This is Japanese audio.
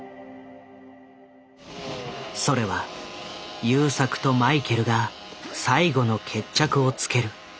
それは優作とマイケルが最後の決着をつける